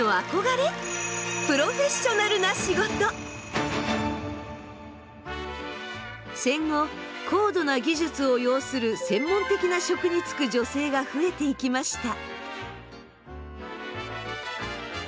あれでまた続いては戦後高度な技術を要する専門的な職に就く女性が増えていきました。